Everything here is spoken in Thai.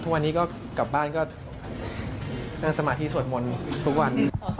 ทุกวันนี้ก็กลับบ้านก็นั่งสมาธิสวดมนต์ทุกวัน